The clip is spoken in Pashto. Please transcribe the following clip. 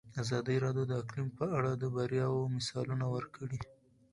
ازادي راډیو د اقلیم په اړه د بریاوو مثالونه ورکړي.